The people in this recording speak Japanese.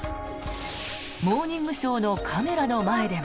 「モーニングショー」のカメラの前でも。